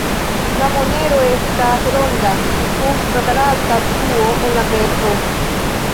La monero estas ronda kun kvadrata truo en la mezo.